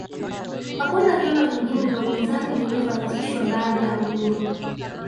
hakuna vyama vingine vya upinzani vilivyoanzishwa baada ya uhuru